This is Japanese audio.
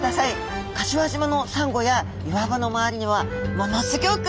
柏島のサンゴや岩場の周りにはものすギョく